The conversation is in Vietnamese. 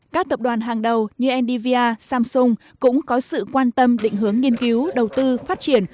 các tập đoàn hàng đầu như ndva samsung cũng có sự quan tâm định hướng nghiên cứu đầu tư phát triển